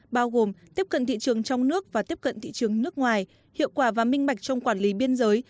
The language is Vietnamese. bao gồm tiếp cận thị trường trong nước và tiếp cận thị trường nước ngoài hiệu quả và minh bạch trong quản lý biên giới